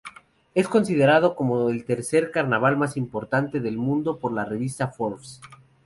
Es considerado como el tercer carnaval más importante del mundo por la Revista Forbes.